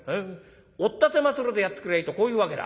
おったてまつるでやってくりゃいいとこういうわけだ」。